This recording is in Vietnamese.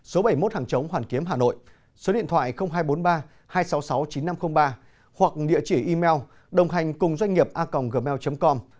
số bảy mươi một hàng chống hoàn kiếm hà nội số điện thoại hai trăm bốn mươi ba hai trăm sáu mươi sáu chín nghìn năm trăm linh ba hoặc địa chỉ email đồnghànhcunghiệp a gmail com